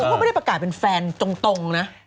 ก็ไม่ได้ประกาศเป็นแฟนตรงนะ